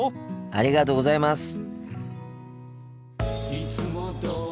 ありがとうございます！